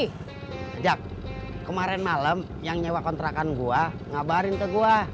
sejak kemarin malam yang nyewa kontrakan gue ngabarin ke gue